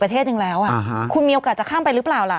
ประเทศหนึ่งแล้วคุณมีโอกาสจะข้ามไปหรือเปล่าล่ะ